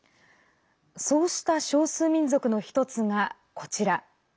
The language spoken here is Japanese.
そうした少数民族の１つがこちら。